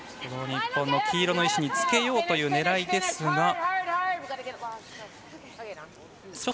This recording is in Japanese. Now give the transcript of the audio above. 日本の黄色の石につけようという狙いですが。